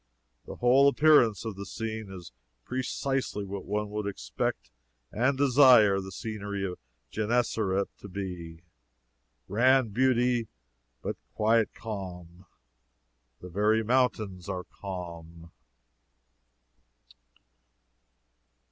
The whole appearance of the scene is precisely what we would expect and desire the scenery of Genessaret to be, grand beauty, but quiet calm. The very mountains are calm."